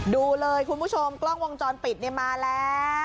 ดูเลยคุณผู้ชมกล้องวงจรปิดมาแล้ว